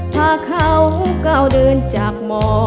ถ้าเขาก้าวเดินจากหมอ